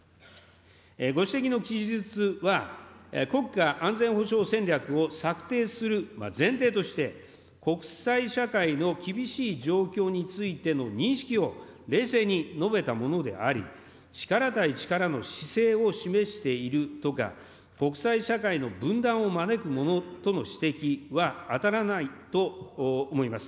ご指摘の記述は、国家安全保障戦略を策定する前提として国際社会の厳しい状況についての認識を冷静に述べたものであり、力対力の姿勢を示しているとか、国際社会の分断を招くものとの指摘は当たらないと思います。